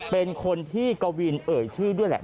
เป็นคนที่กวินเอ่ยชื่อด้วยแหละ